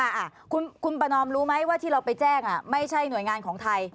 อ่าคุณประนอมรู้ไหมว่าที่เราไปแจ้งอ่ะไม่ใช่หน่วยงานของไทย